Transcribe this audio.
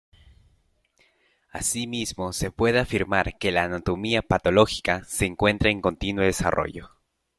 Asimismo se puede afirmar que la anatomía patológica se encuentra en continuo desarrollo.